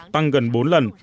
tăng gần bốn lần